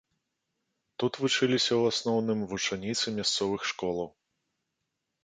Тут вучыліся ў асноўным вучаніцы мясцовых школаў.